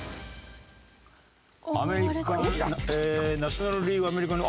アメリカンナショナル・リーグアメリカン・リーグ。